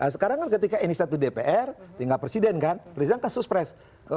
sekarang kan ketika inisiatif dpr tinggal presiden kan presiden kan suspres